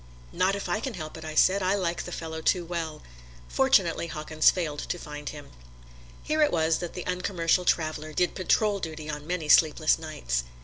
"Not if I can help it," I said; "I like the fellow too well." Fortunately Hawkins failed to find him. Here it was that the Uncommercial Traveler did patrol duty on many sleepless nights.